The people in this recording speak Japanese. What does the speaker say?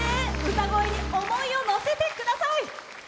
歌声に思いをのせてください！